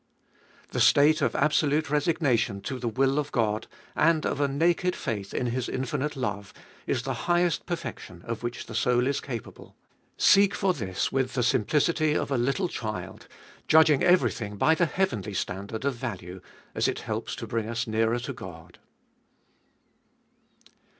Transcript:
2. The state of absolute resignation to the will of God, and of a naked faith in His infinite love, is the highest perfection of which the soul is capable. Seek for this with the simplicity of a little child, judging everything by the heavenly standard of value, as it helps to bring us nearer to God.